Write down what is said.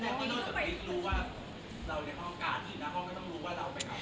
ไม่รู้ว่าเราอยู่ในห้องการอีกหน้าห้องไม่ต้องรู้ว่าเราไปกลับ